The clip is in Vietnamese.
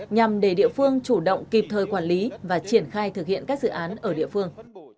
nhằm để địa phương chủ động kịp thời quản lý và triển khai thực hiện các dự án ở địa phương